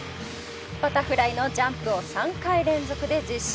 バタフライのジャンプを３回連続で実施。